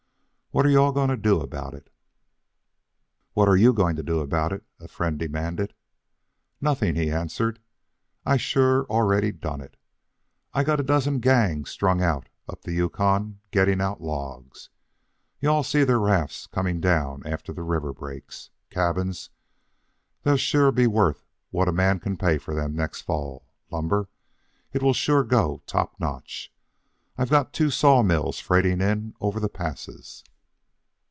What are you all going to do about it?" "What are you going to do about it?" a friend demanded. "Nothing," he answered. "I've sure already done it. I've got a dozen gangs strung out up the Yukon getting out logs. You all'll see their rafts coming down after the river breaks. Cabins! They sure will be worth what a man can pay for them next fall. Lumber! It will sure go to top notch. I've got two sawmills freighting in over the passes.